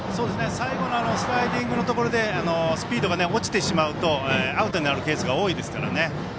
最後のスライディングのところでスピードが落ちてしまうとアウトになるケースが多いですからね。